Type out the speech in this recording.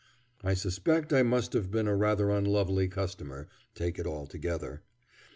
I suspect I must have been a rather unlovely customer, take it all together.